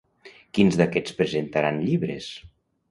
Quins d'aquests presentaran llibres?